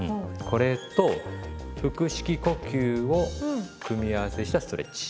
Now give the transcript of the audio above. これと腹式呼吸を組み合わせしたストレッチ。